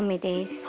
はい。